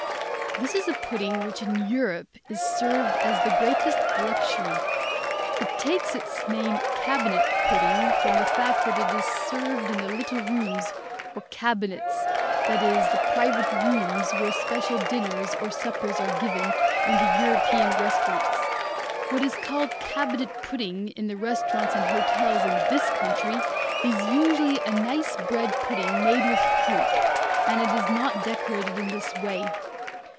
This is a pudding which in Europe is served as the greatest luxury. It takes its name "cabinet" pudding from the fact that it is served in the little rooms, or cabinets, that is, the private rooms where special dinners or suppers are given in the European restaurants. What is called cabinet pudding in the restaurants and hotels in this country is usually a nice bread pudding made with fruit, and it is not decorated in this way.